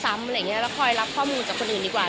อะไรอย่างนี้แล้วคอยรับข้อมูลจากคนอื่นดีกว่า